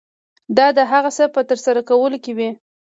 دا د هغه څه په ترسره کولو کې وي.